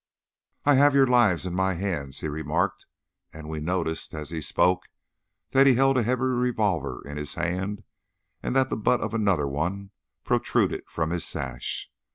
"I have your lives in my hands," he remarked; and we noticed as he spoke that he held a heavy revolver in his hand, and that the butt of another one protruded from his sash.